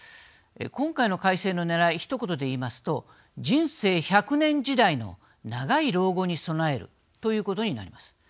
今回の改正のねらいひと言でいいますと人生１００年時代の長い老後に備えるということになります。